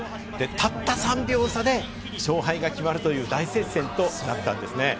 たった３秒差で勝敗が決まるという大接戦となったんですね。